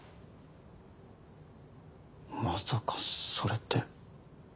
まさかそれって。